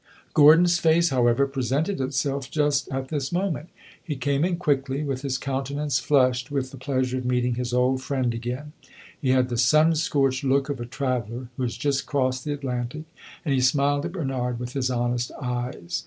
Gordon's face, however, presented itself just at this moment; he came in quickly, with his countenance flushed with the pleasure of meeting his old friend again. He had the sun scorched look of a traveller who has just crossed the Atlantic, and he smiled at Bernard with his honest eyes.